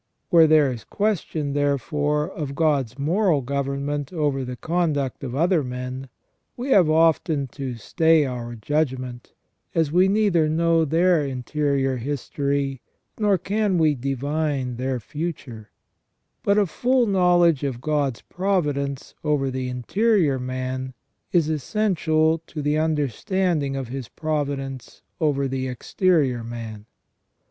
Where there is question, therefore, of God's moral government over the conduct of other men, we have often to stay our judg ment, as we neither know their interior history nor can we divine their future ; but a full knowledge of God's providence over the interior man is essential to the understanding of His providence over the exterior man.